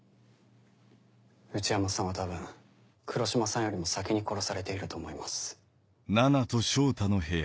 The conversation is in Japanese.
内山さんは多分黒島さんよりも先に殺されていると思います。